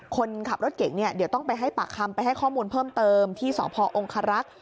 คนขับรถเก่งต้องไปให้ปากคำไปให้ข้อมูลเพิ่มเติมที่สอองค์ฮรักษ์